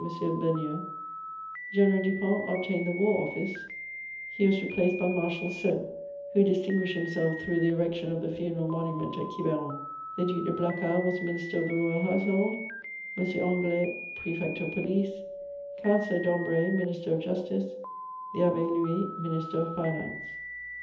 Beugnot; General Dupont obtained the War Office; he was replaced by Marshal Soult, who distinguished himself through the erection of the funeral monument at Quiberon; the Duc de Blacas was Minister of the Royal Household; M. Anglès, Prefect of Police; Councillor Dambray, Minister of Justice; the Abbé Louis, Minister of Finance.